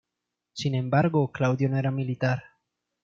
Sin embargo, Claudio no era militar.